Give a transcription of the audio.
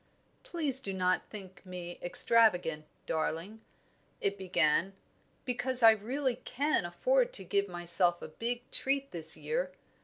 "Please do not think me extravagant, darling," it began, "because I really can afford to give myself a big treat this year.